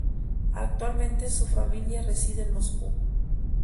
Actualmente su familia reside en Moscú.